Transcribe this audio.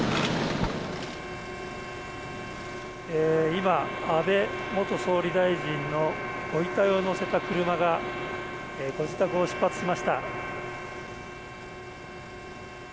今、安倍元総理のご遺体を乗せた車がご自宅を出発しました。